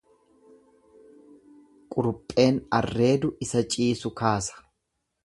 Qurupheen arreedu isa ciisu kaasa.